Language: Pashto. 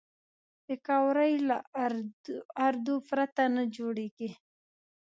پکورې له آردو پرته نه جوړېږي